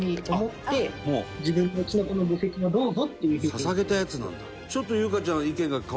捧げたやつなんだ。